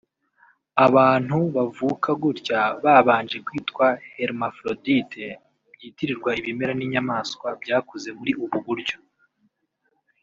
Abantu bavuka gutya babanje kwitwa hermaphrodite (byitirirwa ibimera n’inyamaswa byakuze muri ubu buryo)